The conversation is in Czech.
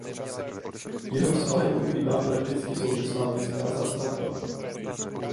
Jeho svahy pokrývá prakticky souvislá městská zástavba.